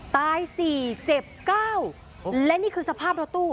ตาย๔เจ็บ๙และนี่คือสภาพรถตู้